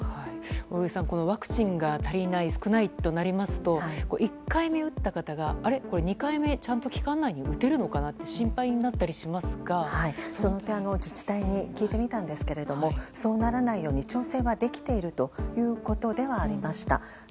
小栗さん、ワクチンが足りない少ないとなりますと１回目打った方が２回目をちゃんと期間内に打てるのかなって心配になったりしますがその点、自治体に聞いてみたんですけれどもそうならないように調整はできているということではありました。